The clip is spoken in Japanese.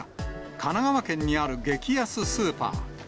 神奈川県にある激安スーパー。